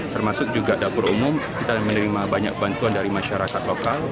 termasuk juga dapur umum kita menerima banyak bantuan dari masyarakat lokal